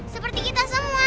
seperti kita semua